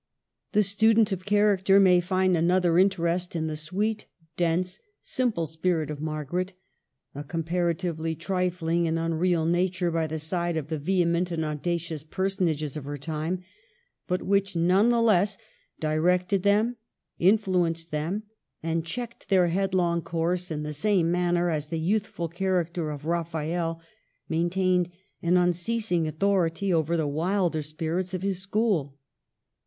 6 PREFACE. The student of character may find another interest in the sweet, dense, simple spirit of Margaret, — a comparatively trifling and unreal nature by the side of the vehement and auda cious personages of her time, but which, none the less, directed them, influenced them, and checked their headlong course, in the same manner as the youthful character of Raphael maintained an unceasing authority over the wilder spirits of his school.